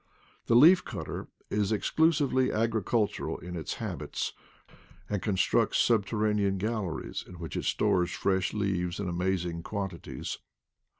The leaf cutter is 134 IDLE DAYS IN PATAGONIA exclusively agricultural in its habits, and con structs subterranean galleries, in which it stores fresh leaves in amazing quantities.